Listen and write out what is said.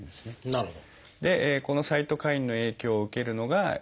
なるほど。